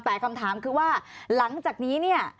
แต่คำถามคือว่าหลังจากนี้เนี่ย